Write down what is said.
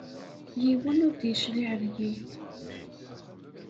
Yiwen ur d-yecliɛ deg-i.